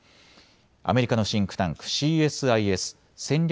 アメリカのシンクタンク、ＣＳＩＳ・戦略